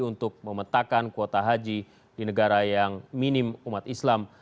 untuk memetakan kuota haji di negara yang minim umat islam